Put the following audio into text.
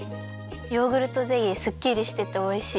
ヨーグルトゼリーすっきりしてておいしい。